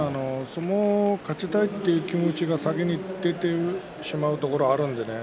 相撲、勝ちたいという気持ちが先に出てしまうところがあるんでね